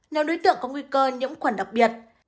nhóm đối tượng có nguy cơ nhiễm khuẩn đặc biệt